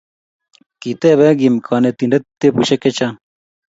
Kitebe Kim konetindet tebushek chechang